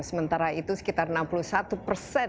sementara itu sekitar enam puluh satu persen